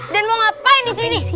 dan mau ngapain di sini